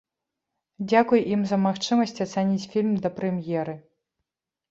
Дзякуй ім за магчымасць ацаніць фільм да прэм'еры.